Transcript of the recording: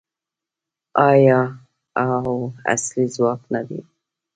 آیا او اصلي ځواک نه دی؟